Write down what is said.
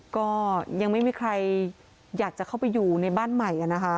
ก็ยังไม่มีใครอยากจะเข้าไปอยู่ในบ้านใหม่นะคะ